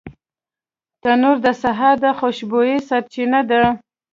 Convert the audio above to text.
تنور د سهار د خوشبویۍ سرچینه ده